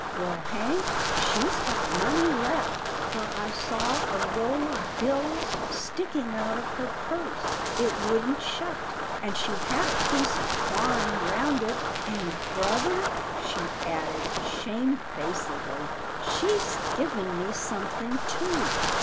" Well, Hank, she's got money left, for I saw a roll of bills sticking out of her purse. It wouldn't shut, and she had a piece of twine round it — and, brother," she added, shamefacedly, " she's given me something too."